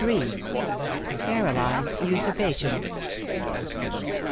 * *CAROLINE'S USURPATION.